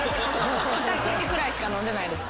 ２口くらいしか飲んでないです。